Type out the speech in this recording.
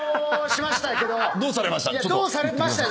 どうされました？